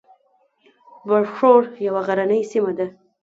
برښور یوه غرنۍ سیمه ده